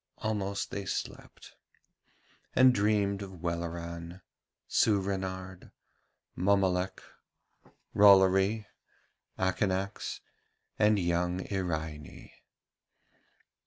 Almost they slept, and dreamed of Welleran, Soorenard, Mommolek, Rollory, Akanax, and young Iraine.